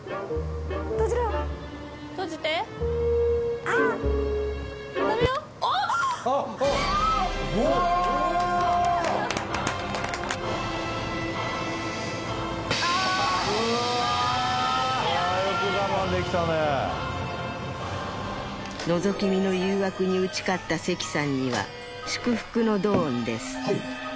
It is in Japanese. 閉じろ閉じてあっあよく我慢できたね覗き見の誘惑に打ち勝った関さんには祝福のドーンです